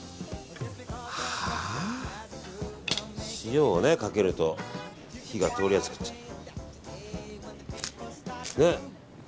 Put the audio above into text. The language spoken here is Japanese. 塩をかけると火が通りやすくなっちゃう。